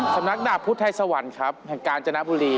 สำนักดาบพุทธไทยสวรรค์ครับแห่งกาญจนบุรี